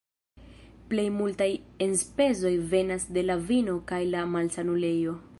Plej multaj enspezoj venas de la vino kaj la malsanulejo.